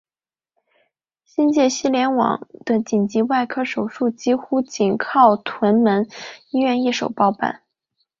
新界西联网的紧急外科手术几乎仅靠屯门医院一手包办。